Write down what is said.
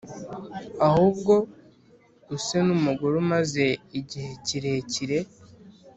ahubwo use n umugore umaze igihe kirekire